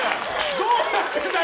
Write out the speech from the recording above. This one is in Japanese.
どうなってんだよ！